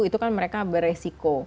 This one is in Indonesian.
itu kan mereka beresiko